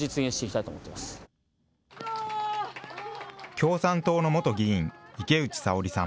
共産党の元議員、池内沙織さん。